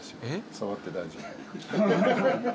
触って大丈夫。